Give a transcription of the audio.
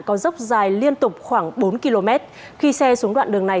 có dốc dài liên tục khoảng bốn km khi xe xuống đoạn đường này